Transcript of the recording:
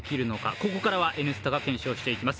ここからは「Ｎスタ」が検証していきます。